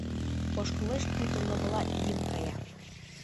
Ошкылеш, пуйто лывыла ийын кая.